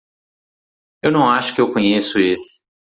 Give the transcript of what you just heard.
Eu não acho que eu conheço esse.